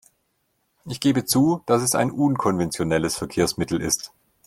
Ich gebe zu, dass es ein unkonventionelles Verkehrsmittel ist.